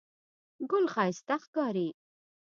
ګل ښایسته ښکاري.